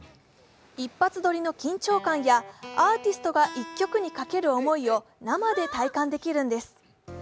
一発撮りの緊張感やアーティストが１曲にかける思いを生で体感できるんです。